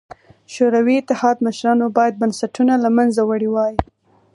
شوروي اتحاد مشرانو باید بنسټونه له منځه وړي وای.